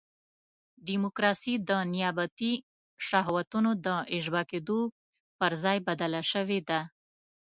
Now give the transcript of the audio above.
ډیموکراسي د نیابتي شهوتونو د اشباع کېدو پر ځای بدله شوې ده.